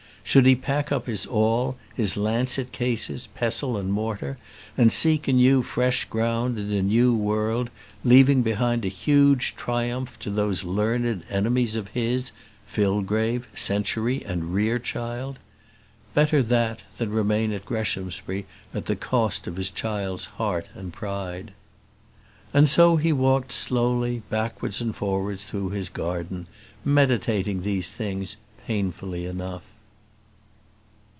Should he pack up his all, his lancet cases, pestle and mortar, and seek anew fresh ground in a new world, leaving behind a huge triumph to those learned enemies of his, Fillgrave, Century, and Rerechild? Better that than remain at Greshamsbury at the cost of his child's heart and pride. And so he walked slowly backwards and forwards through his garden, meditating these things painfully enough.